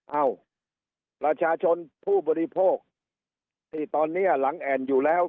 เอ้าประชาชนผู้บริโภคที่ตอนนี้หลังแอ่นอยู่แล้ว